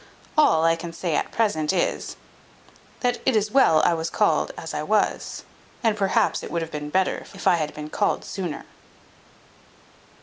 All I can say at present is, that it is well I was called as I was, and perhaps it would have been better if I had been called sooner.